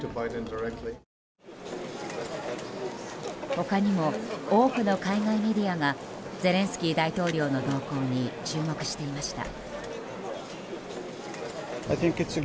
他にも多くの海外メディアがゼレンスキー大統領の動向に注目していました。